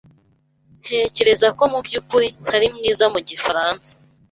Ntekereza ko mubyukuri ntari mwiza mu gifaransa.